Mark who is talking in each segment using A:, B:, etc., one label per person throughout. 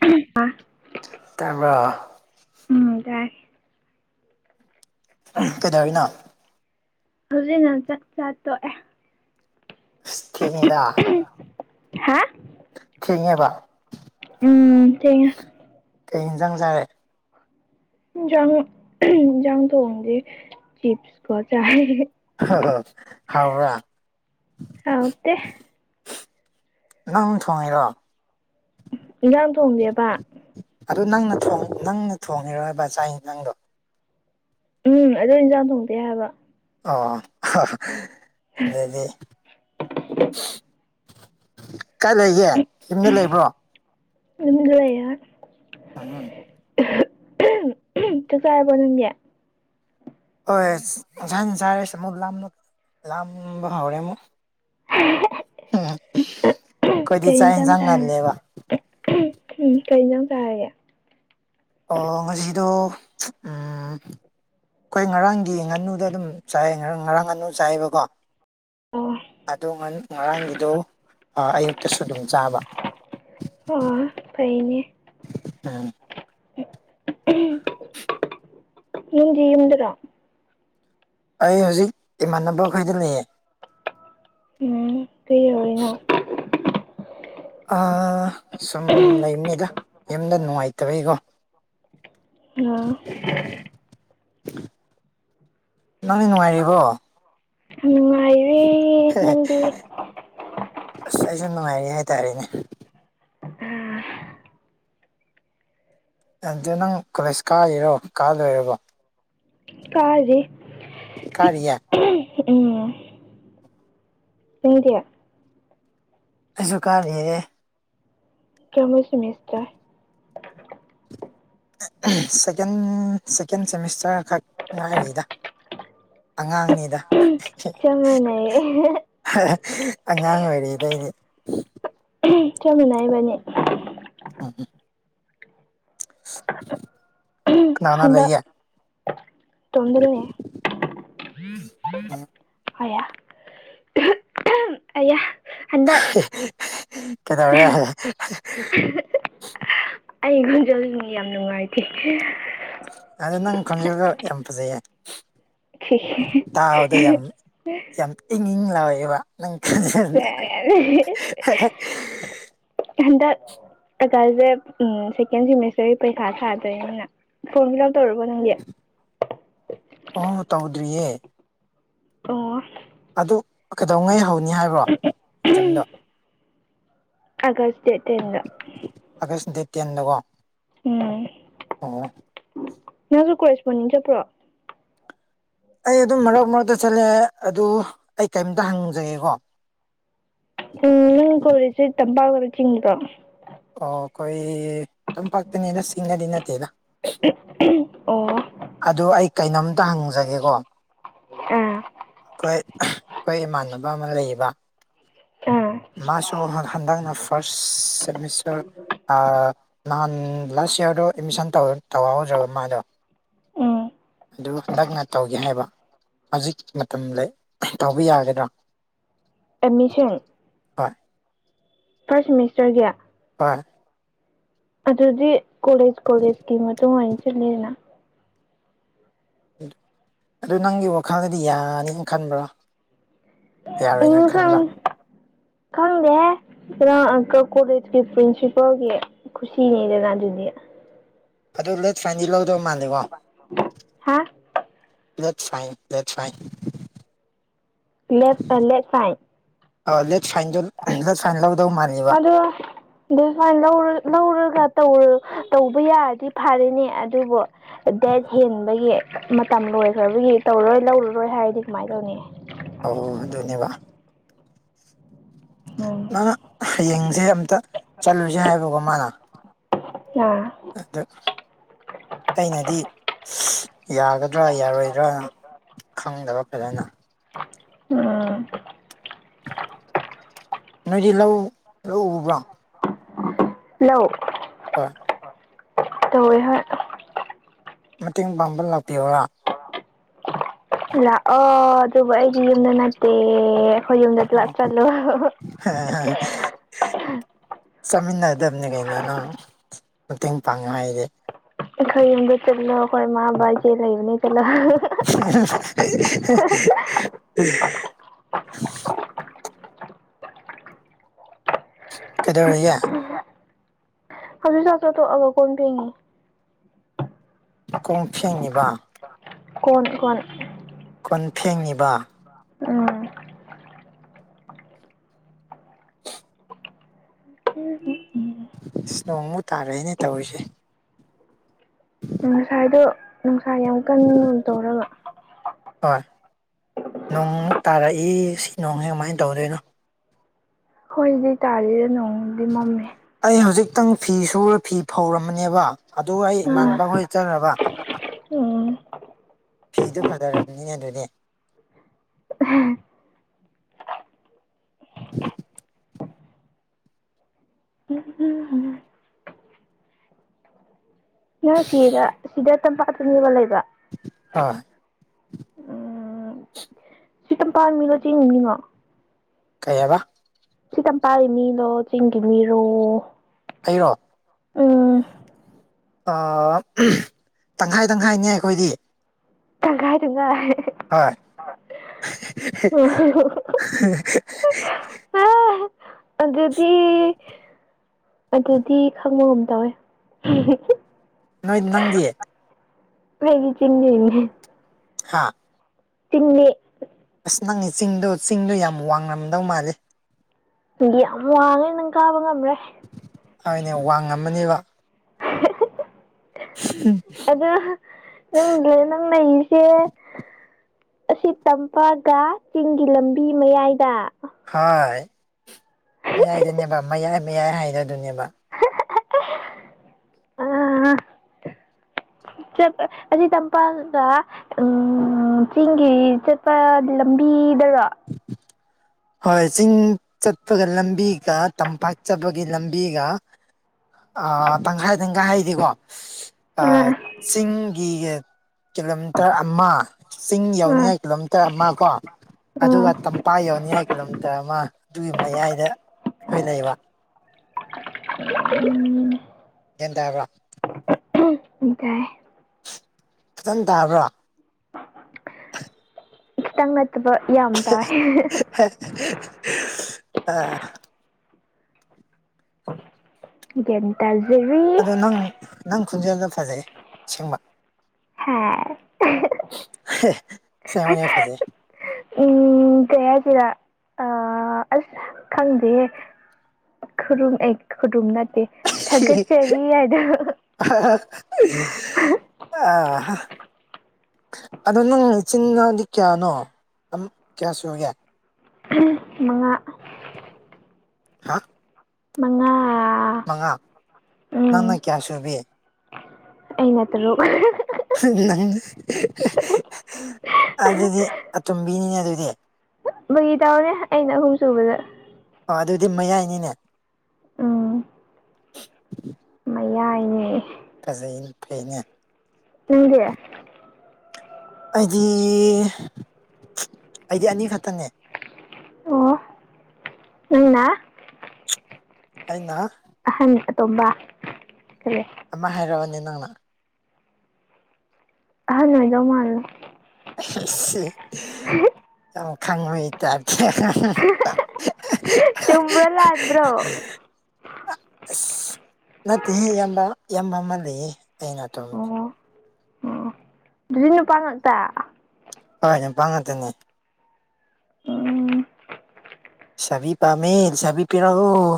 A: [unintelligible]
B: ꯇꯥꯕꯔꯥ
A: ꯎꯝꯗꯥꯏ
B: ꯀꯩꯗꯧꯔꯤꯅꯣ
A: ꯍꯧꯖꯤꯛꯅ ꯆꯥꯛ ꯆꯥꯠꯇꯣꯛꯑꯦ
B: ꯑꯁ ꯇꯦꯟꯒꯦꯗꯥ
A: ꯍꯥ
B: ꯊꯦꯡꯉꯦꯕ
A: ꯎꯝ ꯊꯦꯡꯉꯦ
B: ꯀꯔꯤ ꯌꯦꯟꯖꯥ ꯆꯔꯥ
A: ꯌꯦꯟꯖꯥ ꯌꯦꯟꯖꯥ ꯆꯤꯞꯁ ꯀꯥ ꯇꯦꯔꯒꯥ ꯆꯦ
B: ꯍꯥ ꯍꯥ ꯍꯥꯎ꯭ꯔꯥ
A: ꯍꯥꯎꯇꯦ
B: ꯅꯪ ꯊꯣꯡꯉꯤꯔꯣ
A: ꯏꯟꯖꯥꯡ ꯊꯣꯡꯒꯦꯕ
B: ꯑꯗꯨ ꯅꯪꯅ ꯅꯪꯅ ꯊꯣꯡꯉꯤꯔꯣꯏ ꯕꯥ ꯆꯥꯏ ꯅꯪꯗꯣ
A: ꯎꯝ ꯑꯗꯨ ꯏꯟꯁꯥꯡ ꯊꯣꯡꯇꯦ ꯍꯥꯏꯕ
B: ꯑꯣ ꯑꯗꯨꯗꯤ ꯀꯥꯏ ꯂꯩꯒꯦ ꯌꯨꯝꯗ ꯂꯩꯕ꯭ꯔꯣ
A: [unintelligible]
B: ꯎꯝ
A: ꯆꯥꯛ ꯆꯥꯔꯕꯣ ꯅꯡꯗꯦ
B: ꯍꯣꯏ ꯖꯟ ꯆꯥꯔꯁꯦ ꯑꯃꯨꯛ ꯂꯥꯝ ꯂꯥꯝꯕ ꯍꯧꯔꯦ ꯑꯃꯨꯛ
A: [unintelligible]
B: ꯎꯝ ꯑꯩꯈꯣꯌꯗ
A: ꯀꯩ
B: ꯆꯥꯏꯟ
A: ꯏꯟꯖꯥꯡ
B: ꯁꯥꯡꯒ
A: ꯆꯥꯔꯦ
B: ꯂꯩꯦꯕ
A: ꯎꯝ ꯀꯩꯟꯖꯥꯡ ꯆꯥꯔꯒꯦ
B: ꯉꯁꯤꯗꯣ ꯑꯩꯈꯣꯏ ꯉꯔꯥꯡꯒꯤ ꯉꯥꯅꯨꯗ ꯑꯗꯨꯝ ꯆꯥꯏ ꯉꯔꯥꯡ ꯉꯔꯥꯡ ꯉꯥꯅꯨ ꯆꯥꯏꯕꯀꯣ
A: ꯑꯣ
B: ꯑꯗꯣ ꯉꯔꯥꯡꯒꯤꯗꯣ ꯑꯌꯨꯛꯇꯁꯨ ꯑꯗꯨꯝ ꯆꯥꯕ
A: ꯑꯣ ꯐꯩꯅꯦ
B: ꯎꯝ
A: ꯅꯡꯗꯦ ꯌꯨꯝꯗꯔꯥ
B: ꯑꯩ ꯍꯧꯖꯤꯛ ꯏꯃꯥꯟꯅꯕꯈꯩꯗ ꯂꯩꯌꯦ
A: ꯎꯝ ꯀꯩꯗꯧꯔꯤꯅꯣ
B: ꯑ ꯁꯨꯝ ꯂꯩꯕꯅꯤꯗ ꯌꯦꯡꯕ ꯅꯨꯡꯉꯥꯏꯇꯕꯩꯀꯣ
A: ꯑꯝ
B: ꯅꯪꯒ ꯅꯨꯡꯉꯥꯏꯔꯤꯕꯣ
A: ꯅꯨꯉꯥꯏꯔꯤ
B: ꯑꯁ ꯑꯩꯁꯨ ꯅꯨꯡꯉꯥꯏꯔꯤ ꯍꯥꯏꯇꯥꯔꯦꯅꯦ
A: ꯑ
B: ꯌꯝꯗꯦ ꯅꯪ ꯀꯣꯂꯦꯖ ꯀꯥꯔꯤꯔꯣ ꯀꯥ ꯂꯣꯏꯔꯕꯣ
A: ꯀꯥꯔꯗꯦ
B: ꯀꯥꯔꯤꯌꯦ
A: ꯎꯝ [unintelligible]
B: [unintelligible]
A: ꯀꯦꯃꯣ ꯁꯨꯅꯤꯁꯇ
B: ꯁꯦꯀꯦꯟ ꯁꯦꯀꯦꯟ ꯁꯦꯃꯤꯁꯇꯔ ꯈꯛ ꯉꯥꯏꯔꯤꯗ ꯑꯉꯥꯡꯅꯦ
A: [unintelligible]
B: ꯑꯉꯥꯡ ꯑꯣꯏꯔꯤꯗꯩꯅꯤ ꯑꯩꯗ
A: ꯆꯞ ꯃꯨꯅꯥꯏꯕꯅꯤ
B: ꯎꯝ ꯎꯝ [inaudible] ꯀꯅꯥ ꯀꯅꯥ
A: ꯍꯟꯗꯛ
B: ꯂꯩꯒꯦ
A: ꯇꯣꯗꯔꯅꯦꯦ ꯑꯌꯥ ꯑꯌꯥ ꯍꯟꯗꯛ
B: ꯀꯩꯗꯧꯔꯦ
A: ꯑꯩ ꯌꯨꯝ ꯆꯠꯅꯤꯉꯦ ꯌꯥꯝ ꯅꯨꯡꯉꯥꯏꯇꯦ
B: ꯑꯗꯨ ꯅꯪ ꯈꯨꯟꯖꯦꯜꯗ ꯌꯥꯝ ꯐꯖꯩꯌꯦ ꯇꯥꯕꯗ ꯌꯥꯝ ꯌꯥꯝ ꯏꯪ ꯏꯪ ꯂꯥꯎꯑꯦꯕ ꯅꯪ ꯈꯟꯖꯟꯗ [unintelligible]
A: ꯍꯟꯗꯛ ꯀꯩꯇꯧꯒꯦ ꯎꯝ ꯁꯦꯀꯦꯟ ꯁꯦꯃꯤꯁꯇꯔꯒꯤ ꯄꯔꯤꯈꯥ ꯊꯥꯗꯔꯦ ꯅꯪꯅ ꯐꯔꯣꯟ ꯐꯤꯜ ꯑꯞ ꯇꯧꯔꯕꯣ ꯅꯪꯗꯤ
B: ꯑꯣ ꯇꯧꯗ꯭ꯔꯤꯌꯦ
A: ꯑꯣ
B: ꯑꯗꯨ ꯀꯩꯗꯧꯉꯩ ꯍꯧꯅꯤ ꯍꯥꯏꯕ꯭ꯔꯣ ꯏꯖꯝꯗꯣ ꯃꯟꯂꯂꯤꯛꯖꯥꯃꯩ
A: ꯑꯒꯁ ꯗꯦꯠ ꯑꯦꯠꯇꯤꯟꯗ
B: ꯑꯥꯒꯁ ꯗꯦꯠ ꯇꯦꯟꯗꯀꯣ
A: ꯎꯝ
B: ꯑꯣ
A: ꯅꯪꯁꯨ ꯀꯣꯂꯦꯁꯄꯨꯟꯅꯤꯡ ꯆꯠꯄ꯭ꯔꯣ
B: ꯑꯩ ꯑꯗꯨꯝ ꯃꯔꯛ ꯃꯔꯛꯇ ꯆꯠꯂꯦ ꯑꯗꯨ ꯑꯩ ꯀꯩꯝꯇ ꯍꯪꯖꯒꯦꯀꯣ
A: ꯎꯝ ꯅꯪ ꯀꯣꯂꯦꯜꯁ ꯆꯠꯇꯝꯇꯧꯔꯒ ꯆꯤꯡꯕ꯭ꯗꯣ
B: ꯑꯣ ꯑꯩꯈꯣꯏ ꯇꯝꯄꯥꯛꯇꯅꯦꯗ ꯆꯤꯡꯗꯗꯤ ꯅꯠꯇꯦꯗ
A: ꯑꯣ
B: ꯑꯗꯣ ꯑꯩ ꯀꯩꯅꯣꯝꯇ ꯍꯪꯖꯒꯦꯀꯣ
A: ꯑꯥ
B: ꯑꯩꯈꯣꯏ ꯑꯩꯈꯣꯏ ꯏꯃꯥꯟꯅꯕ ꯑꯃ ꯂꯩꯌꯦꯕꯥ
A: ꯑꯥ
B: ꯃꯥꯁꯨ ꯍꯟꯗꯛꯅ ꯐꯥꯔꯁ ꯁꯦꯃꯤꯁꯇꯔ ꯅꯍꯥꯟ ꯂꯥꯁ ꯌꯥꯔꯗ ꯑꯦꯗꯃꯤꯁꯟ ꯇꯧꯍꯧꯗ꯭ꯔꯦꯕ ꯃꯥꯗꯣ
A: ꯎꯝ
B: ꯑꯗꯨ ꯍꯟꯗꯛꯅ ꯇꯧꯒꯦ ꯍꯥꯏꯕ ꯍꯧꯖꯤꯛ ꯃꯇꯝ ꯂꯩ ꯇꯧꯕ ꯌꯥꯒꯗ꯭ꯔꯣ
A: ꯑꯦꯗꯃꯤꯁꯟ
B: ꯍꯣꯏ
A: ꯐꯥꯔꯁ ꯁꯤꯃꯤꯁꯇꯔꯒꯤ
B: ꯍꯣꯏ
A: ꯑꯗꯨꯗꯤ ꯀꯣꯂꯦꯖ ꯀꯣꯂꯦꯖꯀꯤ ꯃꯇꯨꯡꯏꯟꯅ ꯆꯠꯂꯤꯅ
B: ꯑꯗꯨ ꯅꯪꯒꯤ ꯋꯥꯈꯜꯗꯗꯤ ꯌꯥꯅꯤꯅ ꯈꯟꯕ꯭ꯔꯣ
A: ꯏꯪꯉꯥ ꯈꯪꯏ ꯈꯪꯗꯦꯍꯦ ꯄꯨꯔꯥ ꯑꯡꯀꯜ ꯀꯣꯕꯣꯏꯇꯔꯤ ꯄ꯭ꯔꯤꯟꯁꯤꯄꯥꯜꯒꯤ ꯈꯨꯁꯤꯅꯦꯗꯅ ꯑꯗꯨꯗꯤ
B: ꯑꯗꯨ ꯂꯦꯠ ꯐ꯭ꯔꯥꯏꯟꯗꯤ ꯂꯧꯗꯧ ꯃꯥꯟꯗꯦꯀꯣ
A: ꯍꯥ
B: ꯂꯦꯠ ꯐꯥꯏ ꯂꯦꯠ ꯐꯥꯏ
A: ꯂꯦꯐ ꯂꯦꯐ ꯐꯥꯏ
B: [unintelligible] ꯐꯥꯏꯟ ꯐꯥꯏꯟ ꯂꯧꯗꯧ [unintelligible]
A: ꯑꯗꯨ ꯑꯗꯨ ꯐꯥꯢꯟ ꯂꯧꯔꯒ ꯂꯧꯔꯒ ꯇꯧꯕ ꯌꯥꯔꯗꯤ ꯐꯔꯦꯅꯦ ꯑꯗꯨꯕꯨ ꯗꯦꯠ ꯍꯦꯟꯕꯒꯤ ꯃꯇꯝ ꯂꯣꯏꯈ꯭ꯔꯕꯒꯤ ꯇꯧꯔꯣꯏ ꯂꯧꯔꯔꯣꯏ ꯍꯥꯏꯔꯗꯤ ꯀꯃꯥꯏꯅ ꯇꯧꯅꯤ
B: ꯑꯎ ꯍꯟꯗꯛꯅꯦꯕꯥ
A: ꯎꯝ
B: ꯃꯥꯅ ꯍꯌꯦꯡꯁꯦ ꯑꯝꯇ ꯆꯠꯂꯨꯁꯦ ꯍꯥꯏꯕꯀꯣ ꯃꯥꯅ
A: ꯑꯥ
B: ꯑꯗ ꯑꯩꯅꯗꯤ ꯌꯥꯒꯗ꯭ꯔꯥ ꯌꯥꯔꯣꯏꯗ꯭ꯔꯥꯅ ꯈꯪꯗ꯭ꯕꯥ ꯐꯖꯅ
A: ꯎꯝ
B: ꯅꯣꯏꯗꯤ ꯂꯧ ꯂꯧꯎꯕ꯭ꯔꯣ
A: ꯂꯧ
B: ꯍ
A: ꯇ ꯑꯣꯏ ꯍꯣꯏ
B: ꯃꯇꯦꯡ ꯄꯥꯡꯕ ꯂꯥꯛꯄꯤꯌꯔꯥ
A: ꯂꯥꯛꯑꯣ ꯑꯗꯨꯕꯨ ꯑꯩꯗꯤ ꯌꯨꯝꯗ ꯅꯠꯇꯦ ꯑꯩꯈꯣꯏ ꯌꯨꯝꯗ ꯀ꯭ꯂꯥꯁ ꯆꯠꯂꯨ
B: ꯆꯠꯃꯤꯟꯅꯗꯕꯅꯤ ꯀꯩꯅ ꯅꯪ ꯃꯇꯦꯡ ꯄꯥꯡꯉꯦ ꯍꯥꯏꯁꯦ
A: ꯑꯩ ꯈꯣꯏ ꯌꯨꯝꯗ ꯆꯠꯂꯣ ꯑꯩꯈꯣꯏ ꯏꯃꯥꯕ ꯏꯆꯦ ꯂꯩꯕꯅꯦ ꯆꯠꯂꯣ
B: [inaudible] ꯀꯩꯗꯧꯔꯌꯥ
A: ꯍꯧꯖꯤꯛ ꯆꯥꯛ ꯆ ꯇꯣꯛꯑꯒ ꯀꯣꯟ ꯐꯦꯡꯉꯦ
B: ꯀꯣꯡ ꯐꯦꯡꯉꯤꯕ
A: ꯀꯣꯟ ꯀꯣꯟ
B: ꯀꯣꯟ ꯐꯦꯡꯉꯤꯕ
A: ꯎꯝ ꯎꯝ ꯎꯝ ꯎꯝ
B: ꯑꯁ ꯅꯣꯡꯃꯨ ꯇꯥꯔꯛꯏꯅꯦ ꯇꯧꯔꯤꯁꯦ [inaudible]
A: ꯉꯁꯥꯏꯗꯣ ꯅꯨꯡꯁꯥ ꯌꯥꯝ ꯀꯟꯅ ꯇꯧꯔꯒ
B: ꯍꯣꯏ ꯅꯣꯡ ꯇꯥꯔꯛꯏ ꯁꯤ ꯅꯣꯡꯁꯤ ꯀꯃꯥꯏꯅ ꯇꯧꯗꯣꯏꯅꯣ
A: ꯍꯣꯏꯗꯤ ꯇꯥꯔꯤꯗ ꯅꯣꯡꯃꯗꯤ ꯃꯝꯃꯦ
B: ꯑꯩ ꯍꯧꯖꯤꯛꯇꯪ ꯐꯤ ꯁꯨꯔ ꯐꯤ ꯐꯧꯔꯝꯕꯅꯦꯕ ꯑꯗꯨꯒ ꯑꯩ
A: ꯎꯝ
B: ꯏꯃꯅꯕꯈꯣꯏ ꯆꯠꯔꯕ
A: ꯎꯝ
B: ꯐꯤꯗꯨ ꯐꯖꯔꯕꯅꯤ ꯑꯗꯨꯗꯤ [inaudible]
A: ꯎꯝ ꯅꯪ ꯁꯤꯗ ꯁꯤꯗ ꯇꯝꯄꯥꯛꯇꯅꯦꯕ ꯃꯤ ꯑꯃ ꯂꯩꯕꯔ
B: ꯍ
A: ꯇꯝꯃꯤꯂꯣ ꯆꯤꯡꯃꯤꯔꯣ
B: ꯀꯩ ꯍꯥꯏꯕ
A: ꯁꯤ ꯇ ꯄꯥꯏꯔꯤ ꯃꯤꯅꯣ ꯆꯤꯡꯒꯤ ꯃꯤꯔꯣ
B: ꯑꯩꯔꯣ
A: ꯎꯝ
B: ꯇꯪꯈꯥꯏ ꯇꯪꯈꯥꯏꯅꯦ ꯑꯩꯈꯣꯏꯗꯤ
A: ꯇꯪꯈꯥꯏ ꯇꯪꯈꯥꯢ
B: ꯍꯣꯏ
A: ꯑꯥ ꯑꯗꯨꯗꯤ ꯑꯗꯨꯗꯤ ꯈꯪꯕꯒꯝ ꯇꯧꯋꯦ
B: ꯅꯣꯏ ꯅꯪꯗꯤ
A: ꯍꯦꯒꯤ ꯆꯤꯅꯤ ꯍꯥꯏ
B: ꯍꯥꯥ
A: ꯇꯅꯤ
B: ꯑꯁ ꯅꯪꯅꯦ ꯆꯤꯡꯗꯣ ꯆꯤꯡꯗꯣ ꯌꯥꯝ ꯋꯥꯡꯉꯝꯗꯧ ꯃꯥꯜꯜꯂꯤꯦ
A: ꯗꯤ ꯌꯥꯝ ꯋꯥꯡꯉꯦ ꯅꯪ ꯀꯥꯕ ꯉꯝꯔꯦ
B: ꯍꯥꯏꯅꯦ ꯋꯥꯡ ꯉꯝꯃꯅꯦꯕ
A: ꯅꯪꯗꯦ ꯅꯪꯅꯁꯦ ꯑꯁꯤ ꯇꯝꯄꯥꯥꯛꯒ ꯆꯤꯡꯒꯤ ꯂꯝꯕꯤ ꯃꯌꯥꯏꯗ
B: ꯍꯣꯏ ꯃꯌꯥꯏꯗꯨꯅꯦꯕ ꯃꯌꯥꯏ ꯃꯌꯥꯏ ꯍꯥꯏꯅꯗꯨꯅꯦꯕ [inaudible]
A: ꯑ ꯆꯠꯄ ꯑꯁꯤ ꯆꯝꯄꯜꯗ ꯎꯝ ꯆꯤꯡꯒꯤ ꯆꯠꯄ ꯂꯝꯕꯤꯗꯔ
B: ꯍꯣꯏ ꯆꯤꯡ ꯆꯠꯄꯒꯤ ꯂꯝꯕꯤꯒ ꯇꯝꯄꯥꯛ ꯆꯠꯄꯒꯤ ꯂꯝꯕꯤꯒ ꯑ ꯇꯪꯈꯥꯏ ꯇꯪꯈꯥꯏ ꯍꯥꯏꯗꯤꯀꯣ
A: ꯎꯝ
B: ꯆꯤꯡꯒꯤ ꯀꯤꯂꯣꯃꯤꯇꯔ ꯑꯃ ꯆꯤꯡ
A: ꯎꯝ
B: ꯌꯧꯅꯤꯡꯉꯥꯏ ꯀꯤꯂꯣꯃꯤꯇꯔ ꯑꯃ ꯀꯣ
A: ꯎꯝ
B: ꯑꯗꯨꯒ
A: ꯎꯝ
B: ꯇꯝꯄꯥꯛ ꯌꯧꯅꯤꯡꯉꯥꯏ ꯀꯤꯂꯣꯃꯤꯇꯔ ꯑꯃ ꯑꯗꯨꯒꯤ ꯃꯌꯥꯏꯗ ꯑꯩꯈꯣꯏ ꯂꯩꯕ
A: ꯎꯝ
B: ꯒꯟ ꯇꯥꯕ꯭ꯔꯥ
A: ꯏꯀꯥꯏ
B: ꯈꯤꯇꯪ ꯇꯥꯕ꯭ꯔꯥ
A: ꯈꯤꯇꯪ ꯅꯠꯇꯕ ꯌꯥꯝ ꯇꯥꯏ
B: ꯑꯥ
A: [unintelligible]
B: ꯑꯗꯣ ꯅꯪ ꯅꯪ ꯈꯨꯟꯖꯦꯜꯗ ꯐꯖꯩꯌꯦ ꯁꯦꯡꯕ
A: ꯍꯥ
B: ꯍꯥ ꯁꯦꯕꯅꯤ ꯐꯁꯦ
A: ꯍꯥꯏꯁꯤꯗ ꯑ ꯑꯁ ꯈꯪꯗꯦꯌꯦ ꯈꯨꯔꯨꯝ ꯑꯦ ꯈꯨꯔꯨꯝ ꯅꯠꯇꯦ ꯊꯥꯒꯠꯆꯔꯤ ꯍꯥꯏꯗꯣ
B: ꯑꯥꯍ ꯑꯗꯣ ꯅꯪ ꯏꯆꯤꯅꯥꯗꯤ ꯀꯌꯥꯅꯣ ꯀꯌꯥ ꯁꯨꯒꯦ
A: ꯃꯉꯥ
B: ꯍꯥ
A: ꯃꯉꯥ
B: ꯃꯉꯥ
A: ꯎꯝ
B: ꯅꯪꯅ ꯀꯌꯥ ꯁꯨꯕꯤ
A: ꯑꯩꯅ ꯇꯔꯨꯛ
B: ꯅꯪ ꯑꯗꯨꯗꯤ ꯑꯇꯨꯝꯕꯤꯅꯤꯅꯦ ꯑꯗꯨꯗꯤ
A: ꯒꯤ ꯇꯎꯅꯦ ꯑꯩꯅ ꯑꯍꯨꯝ ꯁꯨꯕꯗ
B: ꯑ ꯑꯗꯨꯗꯤ ꯃꯌꯥꯏꯅꯤꯅꯦ
A: ꯎꯝ ꯃꯌꯥꯏꯅꯦ
B: ꯄꯖꯩ ꯐꯩꯅ
A: ꯅꯪꯗꯤ
B: ꯑꯩꯗꯤ ꯑꯩꯗꯤ ꯑꯅꯤ ꯈꯛꯇꯅꯦ
A: ꯅꯪꯅ
B: ꯑꯩꯅ
A: ꯑꯍꯟ ꯑꯇꯣꯝꯕ ꯈꯂꯦ
B: ꯑꯃ ꯍꯥꯏꯔꯛꯑꯅꯦ ꯅꯪꯅ
A: ꯍꯣꯏꯗꯃꯥꯜꯂꯣ
B: ꯑ ꯌꯥꯝ ꯈꯪꯕꯩ ꯇꯥꯏꯞꯇ
A: ꯇꯥꯗꯔꯣ
B: ꯑꯁ ꯅꯠꯇꯦ ꯏꯌꯥꯝꯕ ꯏꯌꯥꯝꯕ ꯑꯃ ꯂꯩꯌꯦ ꯑꯩꯅꯥꯛꯇ
A: ꯑꯣ ꯑꯣ ꯅꯨꯄꯥ ꯉꯥꯛꯇ
B: ꯍꯣꯏ ꯅꯨꯄꯥ ꯉꯥꯛꯇꯅꯦ
A: ꯎꯝ
B: ꯂꯩꯁꯥꯕꯤ ꯄꯥꯝꯃꯦ ꯂꯩꯁꯥꯕꯤ ꯄꯤꯔꯛꯑꯣ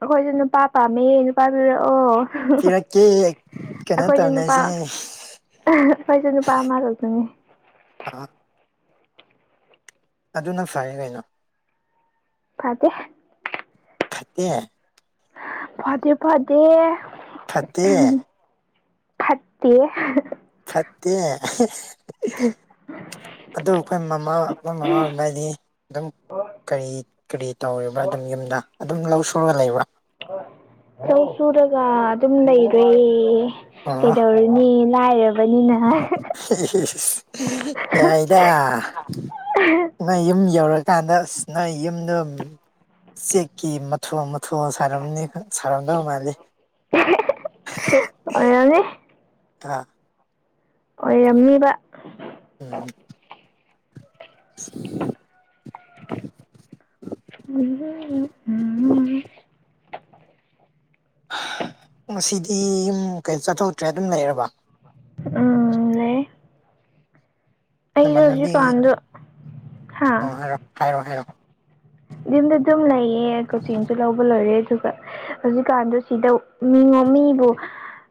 A: ꯑꯩꯈꯣꯏꯁꯨ ꯅꯨꯄꯥ ꯄꯥꯝꯃꯦ ꯅꯨꯄꯥ ꯄꯤꯔꯛꯑꯣ
B: ꯀꯦ
A: ꯑꯩꯈꯣꯏꯁꯨꯦ ꯅꯨꯄꯥ ꯑꯩꯈꯣꯏꯁꯨ ꯅꯨꯄꯥ ꯑꯃ ꯂꯧꯇꯅꯤ
B: ꯑꯥ ꯑꯗꯨꯅꯪ ꯐꯔꯌꯦ ꯀꯩꯅꯣ
A: ꯐꯒꯦ
B: ꯐꯠꯇꯦ
A: ꯐꯗꯦ ꯐꯗꯦ
B: ꯐꯠꯇꯦ
A: ꯐꯠꯇꯦ
B: ꯐꯠꯇꯦ ꯑꯗꯨ ꯑꯩꯈꯣꯏ ꯃꯃꯥ ꯑꯩꯈꯣꯏ ꯃꯃꯥ ꯕꯕꯥꯗꯤ ꯑꯗꯨꯝ ꯀꯔꯤ ꯀꯔꯤ ꯇꯧꯔꯤꯕ꯭ꯔꯥ ꯑꯗꯨꯝ ꯌꯨꯝꯗ ꯑꯗꯨꯝ ꯂꯧ ꯁꯨꯔꯒ ꯂꯩꯕ꯭ꯔꯥ
A: ꯂꯧ ꯁꯨꯔꯒ ꯑꯗꯨꯝ ꯂꯩꯔꯦ
B: ꯑꯣ
A: ꯀꯩꯗꯧꯔꯤ ꯃꯤ ꯂꯥꯏꯔꯕꯅꯤꯅ
B: ꯌꯥꯏꯗ ꯅꯣꯏ ꯌꯨꯝ ꯌꯧꯔꯀꯥꯟꯗ ꯑꯁ ꯅꯣꯏ ꯌꯨꯝꯗꯣ ꯆꯦꯛꯀꯤ ꯃꯊꯣꯟ ꯃꯊꯣꯟ ꯁꯔꯝꯅꯤ ꯁꯔꯝꯗꯧ ꯃꯥꯜꯂꯤ ꯍꯦ
A: ꯑꯣꯏꯔꯝꯅꯤ
B: ꯍꯥ
A: ꯑꯣꯏꯔꯝꯅꯤꯕ
B: ꯎꯝ
A: ꯎꯝ
B: ꯉꯁꯤꯗꯤ ꯌꯨꯝ ꯀꯩ ꯆꯠꯊꯣꯛꯇ꯭ꯔꯦ ꯑꯗꯨꯝ ꯂꯩꯔꯕ
A: ꯎꯝ ꯂꯩꯔꯦ
B: ꯅꯃꯥꯟꯅꯕꯤ
A: ꯍꯥꯥ
B: ꯑꯣ ꯍꯥꯏꯔꯣ ꯍꯥꯏꯔꯣ ꯍꯥꯏꯔꯣ
A: ꯌꯨꯝꯗ ꯑꯗꯨꯝ ꯂꯩꯌꯦ ꯀꯣꯆꯤꯡꯁꯨ ꯂꯧꯕ ꯂꯣꯏꯔꯦ ꯑꯗꯨꯒ ꯍꯧꯖꯤꯛꯀꯥꯟꯗꯨ ꯁꯤꯗ ꯃꯤꯉꯣꯟ ꯃꯤꯕꯨ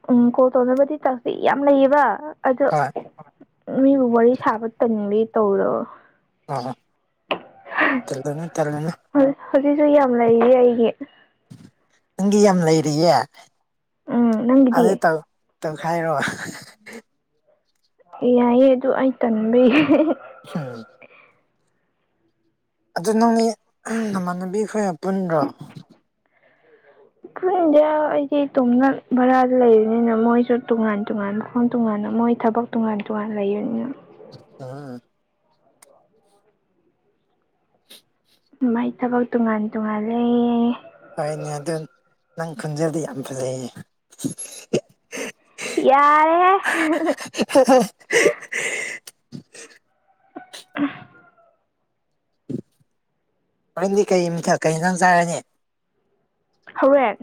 A: ꯎꯝ ꯀꯣꯜ ꯇꯧꯅꯕꯗꯤ ꯇꯧꯁꯤ ꯌꯥꯝ ꯂꯩꯌꯦꯕ ꯑꯗꯣ
B: ꯍꯣꯏ
A: ꯃꯤꯕꯨ ꯋꯥꯔꯤ ꯁꯥꯕ ꯇꯟꯕꯒꯤ ꯇꯧꯗꯕ
B: ꯑ ꯇꯜꯂꯨꯅꯨ ꯇꯜꯂꯨꯅꯨ
A: ꯍꯧꯖꯤꯛꯁꯨ ꯌꯥꯝ ꯂꯩꯔꯤ ꯑꯩꯒꯤ
B: ꯅꯪꯒꯤ ꯌꯥꯝ ꯂꯩꯔꯤꯌꯦ
A: ꯎꯝ
B: ꯑꯗꯨꯗꯤ
A: ꯅꯪꯒꯤꯗꯤ
B: ꯇꯧꯈꯥꯏꯔꯣ
A: ꯌꯥꯏꯌꯦ ꯑꯗꯨ ꯑꯩ ꯇꯟꯕꯒꯤ
B: ꯍꯝ ꯑꯗꯨ ꯅꯪꯒꯤ ꯅꯃꯥꯟꯅꯕꯤ ꯈꯣꯏꯒ ꯄꯨꯟꯕ꯭ꯔꯣ
A: ꯄꯨꯟꯗꯤꯌꯥ ꯑꯩꯗꯤ ꯏꯇꯣꯝꯗ ꯚꯔꯥꯗ ꯂꯩꯕꯅꯤꯅ ꯃꯣꯏꯁꯨ ꯇꯣꯉꯥꯟ ꯇꯣꯉꯥꯟ ꯃꯐꯝ ꯇꯣꯉꯥꯟꯅ ꯃꯣꯏ ꯊꯕꯛ ꯇꯣꯉꯥꯟ ꯇꯣꯉꯥꯟ ꯂꯩꯕꯅꯤꯅ
B: ꯎꯝ
A: ꯃꯥꯏ ꯊꯕꯛ ꯇꯣꯉꯥꯟ ꯇꯣꯉꯥꯟꯂꯦ
B: ꯍꯣꯏꯅꯦ ꯑꯗꯨ ꯅꯪ ꯈꯣꯟꯖꯦꯜꯗꯤ ꯌꯥꯝ ꯐꯖꯩꯌꯦ
A: ꯌꯥꯔꯦꯍꯦ
B: ꯍꯥ
A: [unintelligible]
B: ꯍꯣꯔꯦꯟꯗꯤ ꯀꯩ ꯏꯟꯁꯥꯡ ꯆꯥꯔꯅꯤ
A: ꯍꯧꯔꯦꯟ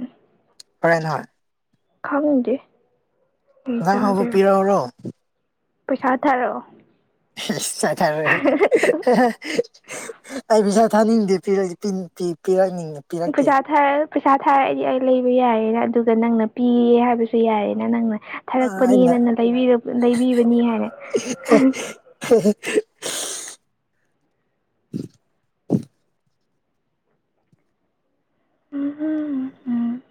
B: ꯍꯣꯏ ꯍꯣꯢ
A: ꯈꯪꯗꯦ ꯀꯩ
B: ꯏꯟꯁꯥꯡ ꯑꯍꯥꯎꯕ
A: ꯆꯥꯗꯣꯏꯔꯣ
B: ꯄꯤꯔꯛꯎꯔꯣ
A: ꯄꯩꯁꯥ ꯊꯔꯛꯣꯑꯣ
B: [unintelligible] ꯑꯩ ꯄꯩꯁꯥ ꯊꯥꯅꯤꯡꯗꯦ ꯄꯤꯔꯗꯦ ꯄꯤ ꯄꯤ ꯄꯤꯍꯥꯟ ꯅꯤꯡꯏ
A: ꯈꯨꯖꯥ ꯄꯩꯁꯥ ꯊꯥꯔꯛꯑꯗꯤ ꯑꯩ ꯂꯩꯕ ꯌꯥꯏꯌꯦꯅ ꯑꯗꯨꯒ ꯅꯪꯅ ꯄꯤꯌꯦ ꯍꯥꯏꯕꯁꯨ ꯌꯥꯏꯌꯦꯅ ꯅꯪꯅ
B: ꯑꯥ ꯑꯩꯅ
A: ꯊꯥꯔꯛꯄꯅꯤꯅꯅ ꯂꯩꯕꯤꯕꯅꯤ ꯍꯥꯏꯅ
B: ꯍꯦ ꯍꯦ
A: ꯎꯝ ꯎꯝ ꯎꯝ ꯎꯝ